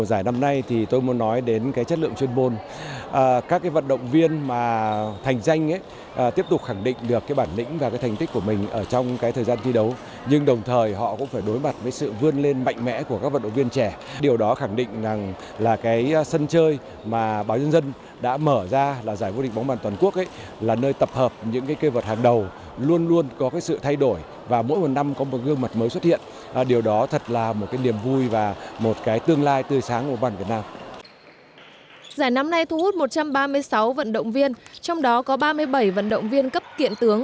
giải năm nay thu hút một trăm ba mươi sáu vận động viên trong đó có ba mươi bảy vận động viên cấp kiện tướng